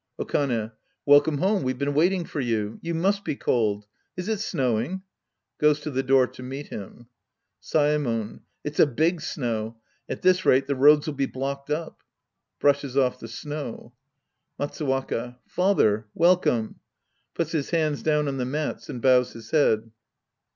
Okane. Welcome home. We've been waiting for you. You must be cold. Is it snowing ? {Goes to the door to meet Mm.) Saemon. It's a big snow. At this rate, the roads'U be blocked up. {Brushes off the snow.) Matswrnaki. Father. Welcome. {Puts his hands down on the mats and bows his head.)